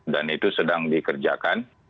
dan itu sedang dikerjakan